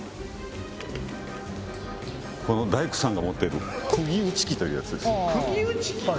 この大工さんが持っているクギ打ち機というやつです